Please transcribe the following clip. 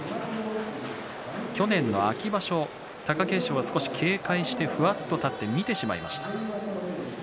去年の秋場所貴景勝は少し警戒してふわっと立って見てしまいました。